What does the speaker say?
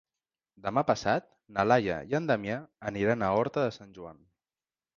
Demà passat na Laia i en Damià aniran a Horta de Sant Joan.